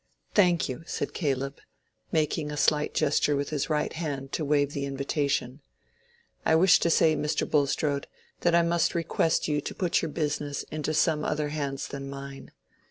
"Thank you," said Caleb, making a slight gesture with his right hand to waive the invitation. "I wish to say, Mr. Bulstrode, that I must request you to put your business into some other hands than mine.